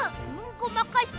ごまかした！